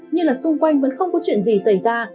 nhưng là xung quanh vẫn không có chuyện gì xảy ra